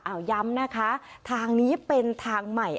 เอาย้ำนะคะทางนี้เป็นทางใหม่